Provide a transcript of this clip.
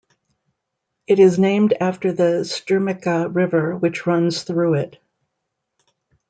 It is named after the Strumica River which runs through it.